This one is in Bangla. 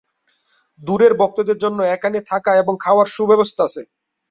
দূরের ভক্তদের জন্য এখানে থাকা এবং খাওয়ার সু-ব্যবস্থা আছে।